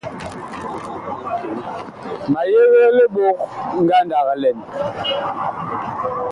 Ma yegee libok ngandag lɛn.